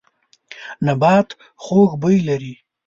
نبات خوږ بوی لري.